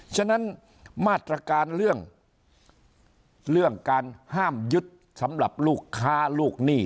ฉะนั้นมาตรการเรื่องเรื่องการห้ามยึดสำหรับลูกค้าลูกหนี้